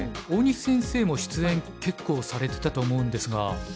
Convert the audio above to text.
大西先生も出演結構されてたと思うんですが。